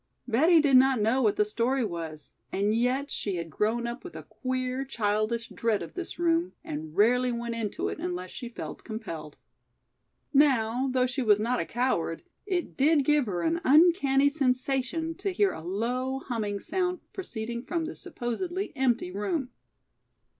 Betty did not know what the story was and yet she had grown up with a queer, childish dread of this room and rarely went into it unless she felt compelled. Now, though she was not a coward, it did give her an uncanny sensation to hear a low, humming sound proceeding from this supposedly empty room.